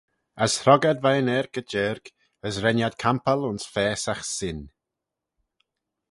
As hrog ad veih'n aarkey jiarg: as ren ad campal ayns faasagh Sin.